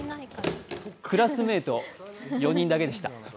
クラスメート４人だけでした。